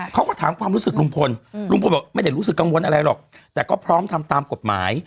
เขาก็ถามความรู้สึกลุงพลลุงพลบอกไม่ได้รู้สึกกังวลอะไรหรอกแต่ก็พร้อมทำตามกฎหมาย